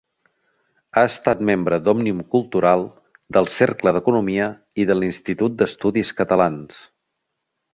Ha estat membre d'Òmnium Cultural, del Cercle d'Economia i de l'Institut d'Estudis Catalans.